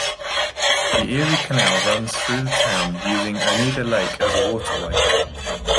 The Erie Canal, runs through the town, using Oneida Lake as a waterway.